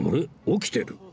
起きてる。